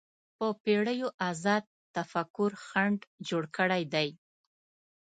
په پېړیو ازاد تفکر خنډ جوړ کړی دی